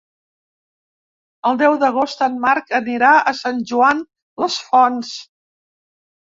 El deu d'agost en Marc anirà a Sant Joan les Fonts.